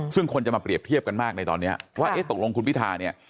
ซึ่งคนจะมาเปรียบเทียบกันมากในตอนนี้ว่าเอ๊ะตกลงคุณพิธาเนี่ย